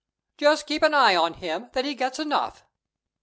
"Just keep an eye on him, that he gets enough."